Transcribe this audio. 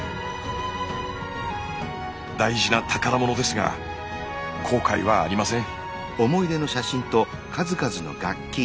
大事な宝物ですが後悔はありません。